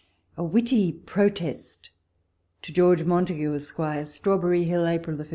.. A WITTY PliOTEST. To George Montagu, Esq. Strawberry Hill, April 15.